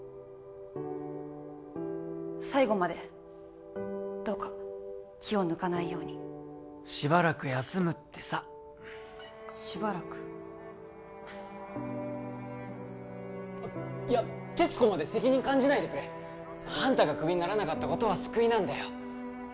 最後までどうか気を抜かないようにしばらく休むってさしばらくあっいや鉄子まで責任感じないでくれあんたがクビにならなかったことは救いなんだよ